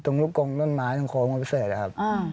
ตรงลุกกลงต้นไม้ทางโค้งพยาบาลก่อนครับ